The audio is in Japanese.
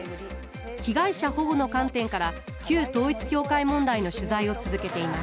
被害者保護の観点から旧統一教会問題の取材を続けています